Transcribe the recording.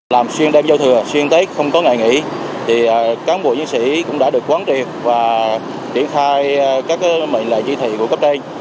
làm xuyên đêm giao thừa xuyên tết không có ngày nghỉ thì các ông bộ nhân sĩ cũng đã được quán triệt và triển khai các mệnh lệ chữ thị của cấp đêm